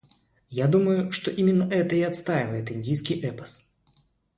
Я думаю, что именно это и отстаивает индийский эпос.